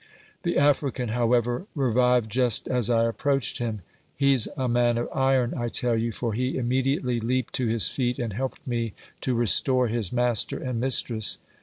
The African, however, revived just as I approached him. He's a man of iron, I tell you, for he immediately leaped to his feet and helped me to restore his master and mistress.